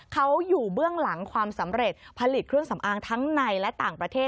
เขาอยู่เบื้องหลังความสำเร็จผลิตเครื่องสำอางทั้งในและต่างประเทศ